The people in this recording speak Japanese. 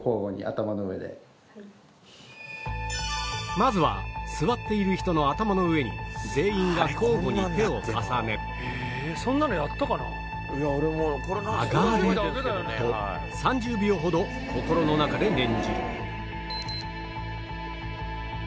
まずは座っている人の頭の上に全員が交互に手を重ね「上がれ」と３０秒ほど心の中で念じる